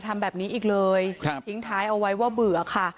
ไม่ได้เบื่อ